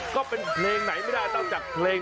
ก็เป็นเพลงไหนไม่ได้นอกจากเพลง